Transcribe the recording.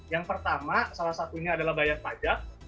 yang pertama salah satunya adalah bayar pajak